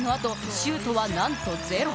シュートは、なんとゼロ。